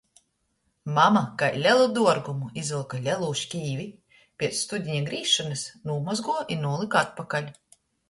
Mama kai lelu duorgumu izvylka lelū škīvi, piec studiņa grīzšonys nūmozguoja i nūlyka atpakaļ.